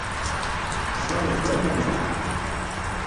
Tettbaneḍ-d am umɣar.